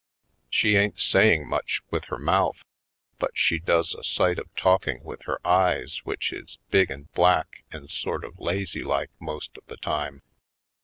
She ain't saying much with her mouth but she does a sight of talk ing with her eyes which is big and black and sort of lazy like most of the time.